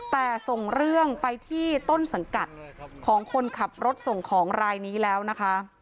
แต่ส่งเรื่องไปที่ต้นสังกัดของคนขับรถส่งของรายนี้แล้วนะคะ